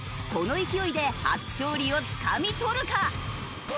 この勢いで初勝利をつかみ取るか？